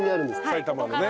埼玉のね。